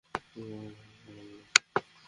আমাকে বিশ্বাস করেন না?